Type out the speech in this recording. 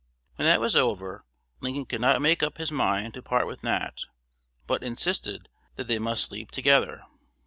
When that was over, Lincoln could not make up his mind to part with Nat, but insisted that they must sleep together.